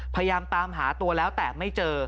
พยายามตามหาตัวแล้วแต่ไม่เจอ